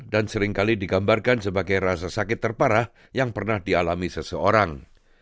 dan seringkali digambarkan sebagai rasa sakit terparah yang pernah dialami seseorang